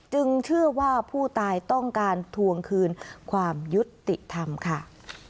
เชื่อว่าผู้ตายต้องการทวงคืนความยุติธรรมค่ะ